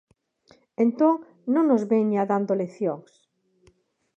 Entón, non nos veña dando leccións.